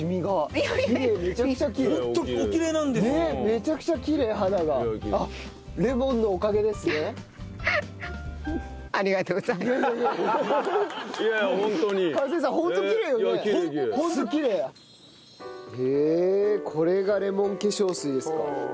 へえこれがレモン化粧水ですか。